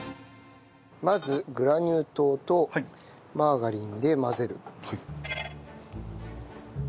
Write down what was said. まずグラニュー糖とマーガリンで混ぜる。